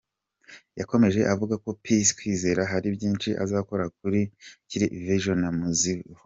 Yakomeje avuga ko Peace Kwizera hari byinshi azakora akurikije vision amuziho.